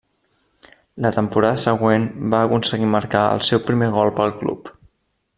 La temporada següent va aconseguir marcar el seu primer gol pel club.